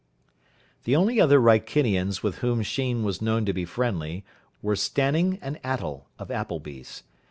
The only other Wrykinians with whom Sheen was known to be friendly were Stanning and Attell, of Appleby's.